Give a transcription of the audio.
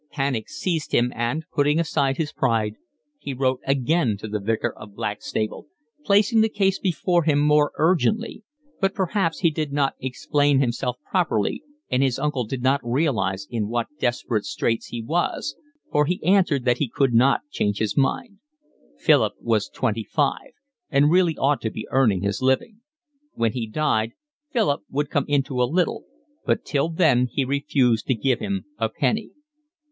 Panic seized him and, putting aside his pride, he wrote again to the Vicar of Blackstable, placing the case before him more urgently; but perhaps he did not explain himself properly and his uncle did not realise in what desperate straits he was, for he answered that he could not change his mind; Philip was twenty five and really ought to be earning his living. When he died Philip would come into a little, but till then he refused to give him a penny.